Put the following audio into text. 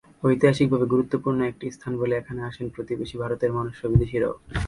ঐতিহাসিকভাবে গুরুত্বপূর্ণ একটি স্থান বলে এখানে আসেন প্রতিবেশী ভারতের মানুষসহ বিদেশিরাও।